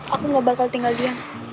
aku gak bakal tinggal dia